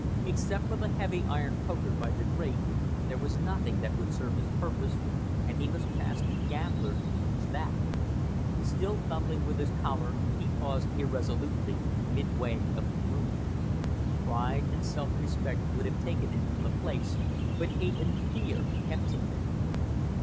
Except for the heavy iron poker by the grate, there was nothing that would serve his purpose, and he must pass the gambler to reach that. Still fumbling with his collar he paused irresolutely, midway of the room. Pride and self respect would have taken him from the place but hate and fear kept him there.